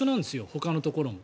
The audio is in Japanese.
ほかのところも。